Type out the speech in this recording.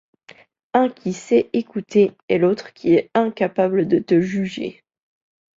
Un qui sait écouter et l’autre qui est incapable de te juger.